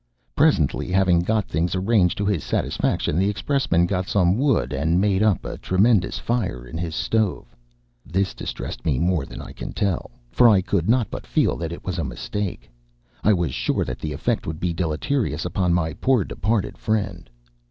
Presently, having got things arranged to his satisfaction, the expressman got some wood and made up a tremendous fire in his stove. This distressed me more than I can tell, for I could not but feel that it was a mistake. I was sure that the effect would be deleterious upon my poor departed friend.